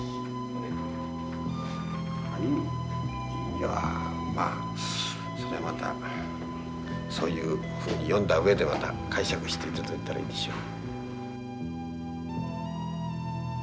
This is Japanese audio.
いやまあそれはまたそういうふうに読んだ上でまた解釈していただいたらいいでしょう。